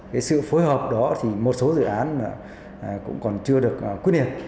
cái sự phối hợp đó thì một số dự án cũng còn chưa được quyết định